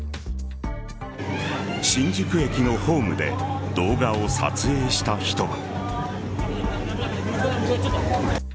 新宿駅のホームで動画を撮影した人は。